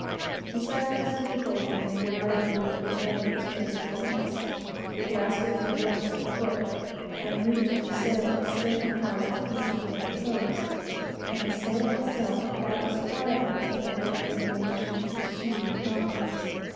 Beside this difficulty, the yard over which we lay was cased with ice, the gaskets and rope of the foot and leach of the sail as stiff and hard as a piece of suction hose, and the sail itself about as pliable as though it had been made of sheets of sheathing copper.